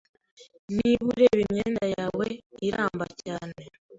Niba ureba imyenda yawe, iramba cyane.